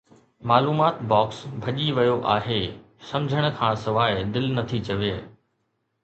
معلومات باڪس ڀڄي ويو آهي! سمجھڻ کان سواءِ دل نٿي چوي